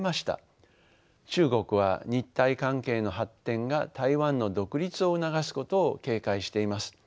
中国は日台関係の発展が台湾の独立を促すことを警戒しています。